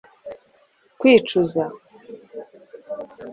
kwicuza